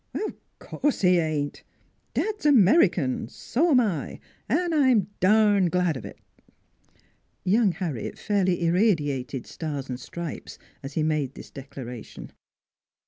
"" 'Course he ain't I Dad's American; so am I. And I'm darned glad of it! " Young Harry fairly irradiated stars and stripes as he made this declaration.